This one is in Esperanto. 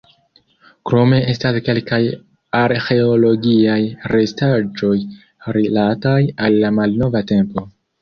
Krome estas kelkaj arĥeologiaj restaĵoj, rilataj al la malnova tempo.